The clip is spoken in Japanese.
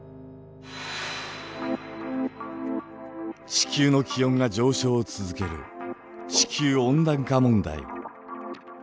地球の気温が上昇を続ける地球温暖化問題。